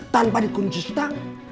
tanpa di kunci stang